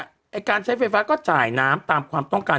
ไอ้การใช้ไฟฟ้าก็จ่ายน้ำตามความต้องการ